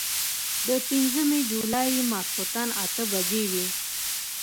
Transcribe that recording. د پنځمې جولايې ماسخوتن اتۀ بجې وې